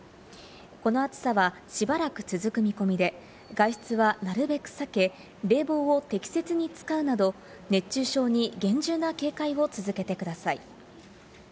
この暑さはしばらく続く見込みで、外出はなるべく避け、冷房を適切に使うなど、熱中症に厳重な警戒を続けてください。